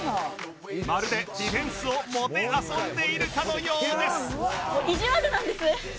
まるでディフェンスをもてあそんでいるかのようです